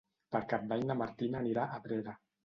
Per Cap d'Any na Martina anirà a Abrera.